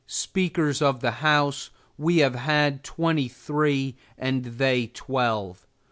Speakers of the House we have had twenty three, and they twelve.